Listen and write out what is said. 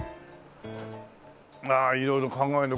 ああ色々考えるね。